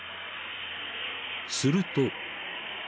［すると］